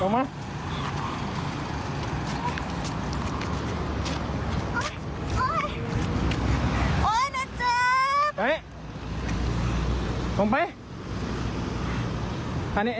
มานี้